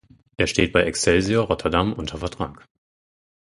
Er steht bei Excelsior Rotterdam unter Vertrag.